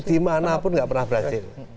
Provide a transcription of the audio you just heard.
di mana pun enggak pernah berhasil